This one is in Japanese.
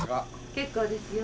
結構ですよ。